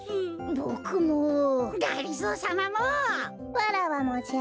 わらわもじゃ。